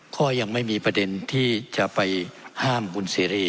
ก็ยังไม่มีประเด็นที่จะไปห้ามคุณเสรี